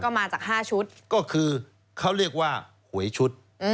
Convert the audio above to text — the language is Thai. มาจาก๕ชุดก็คือเขาเรียกว่าหวยชุด